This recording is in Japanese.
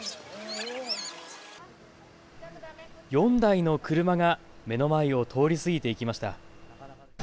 ４台の車が目の前を通り過ぎていきました。